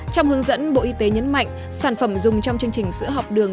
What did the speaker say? trong hướng dẫn bộ y tế nhấn mạnh sản phẩm dùng trong chương trình sữa học đường